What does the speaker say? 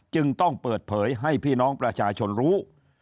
จึงต้องเปิดเผยให้พี่น้องประชาชนรู้